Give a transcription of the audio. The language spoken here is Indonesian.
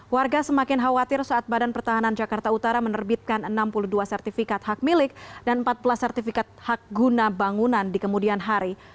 warga semakin khawatir saat badan pertahanan jakarta utara menerbitkan enam puluh dua sertifikat hak milik dan empat belas sertifikat hak guna bangunan di kemudian hari